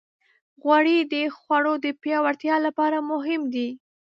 غوړې د غړو د پیاوړتیا لپاره مهمې دي.